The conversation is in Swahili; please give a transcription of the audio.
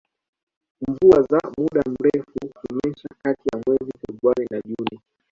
Mvua za muda mrefu hunyesha kati ya mwezi Februari na Juni